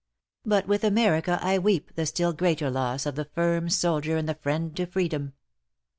But with America I weep the still greater loss of the firm soldier and the friend to freedom.